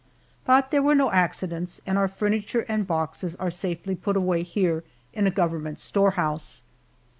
But there were no accidents, and our furniture and boxes are safely put away here in a government storehouse.